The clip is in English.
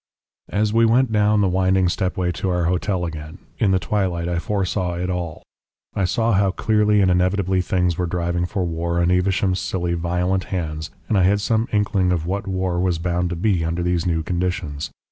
"As we went down the winding stepway to our hotel again, in the twilight, I foresaw it all: I saw how clearly and inevitably things were driving for war in Evesham's silly, violent hands, and I had some inkling of what war was bound to be under these new conditions.